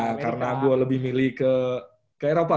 nah karena gue lebih milih ke ke eropa ke eropa